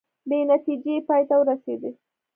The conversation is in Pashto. بې نتیجې پای ته ورسیدې